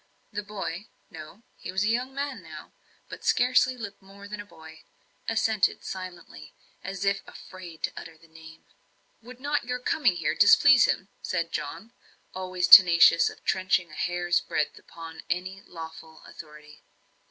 The boy no, he was a young man now, but scarcely looked more than a boy assented silently, as if afraid to utter the name. "Would not your coming here displease him?" said John, always tenacious of trenching a hair's breadth upon any lawful authority.